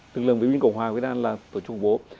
lực lượng viên cộng hòa của iran là tổ chức củng bố